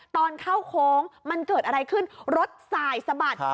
ตอนเข้าโค้งมันเกิดอะไรขึ้นรถสายสะบัด